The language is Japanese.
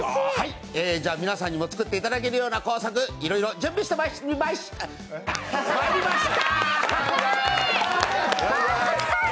皆さんにも作っていただける工作をいろいろ準備してまいりました。